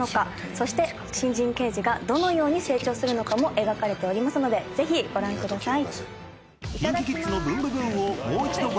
そして新人刑事がどのように成長するのかも描かれておりますのでぜひご覧ください。